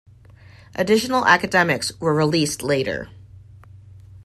Additional academics were released later.